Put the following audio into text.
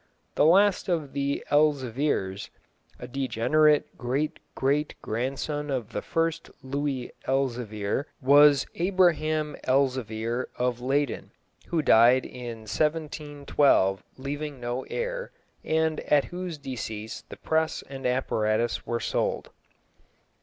The last of the Elzevirs, a degenerate great great grandson of the first Louis Elzevir, was Abraham Elzevir of Leyden, who died in 1712, leaving no heir, and at whose decease the press and apparatus were sold.